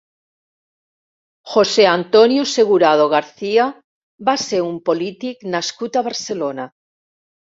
José Antonio Segurado García va ser un polític nascut a Barcelona.